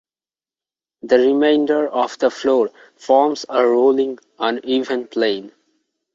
The remainder of the floor forms a rolling, uneven plain.